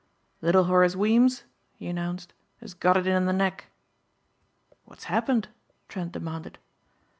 "Little Horace Weems," he announced, "has got it in the neck!" "What's happened?" Trent demanded.